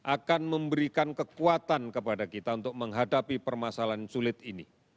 akan memberikan kekuatan kepada kita untuk menghadapi permasalahan sulit ini